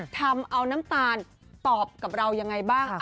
ทำเอาน้ำตาลตอบกับเรายังไงบ้าง